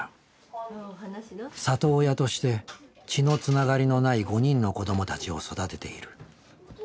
里親として血のつながりのない５人の子どもたちを育てている。